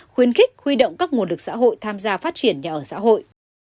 khuyến khích huy động các nguồn lực xã hội tham gia phát triển nhà ở xã hội